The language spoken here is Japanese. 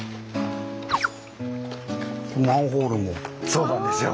そうなんですよ。